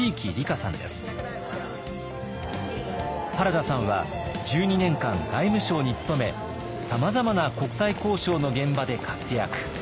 原田さんは１２年間外務省に勤めさまざまな国際交渉の現場で活躍。